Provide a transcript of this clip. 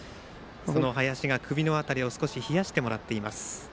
首の辺りを少し冷やしてもらっています。